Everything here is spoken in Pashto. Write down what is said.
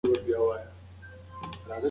استعداد مو مه خښوئ.